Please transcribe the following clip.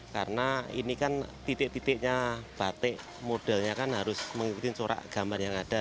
karena ini kan titik titiknya batik modelnya kan harus mengikuti corak gambar yang ada